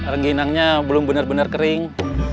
ranginangnya belum bener bener kering